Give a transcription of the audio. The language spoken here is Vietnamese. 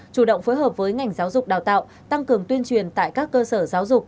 chủ động phối hợp với ngành giáo dục đào tạo tăng cường tuyên truyền tại các cơ sở giáo dục